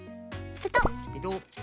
ペトッ。